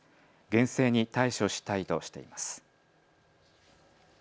厳正に対処したいとしています。